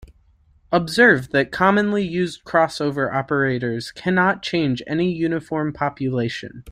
Observe that commonly used crossover operators cannot change any uniform population.